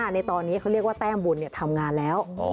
ในตอนนี้เขาเรียกว่าแต้มบุญทำงานแล้ว